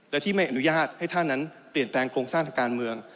และที่ไม่อนุญาตให้ท่านนั้นเปลี่ยนแปลงโครงสร้างทางการเมือง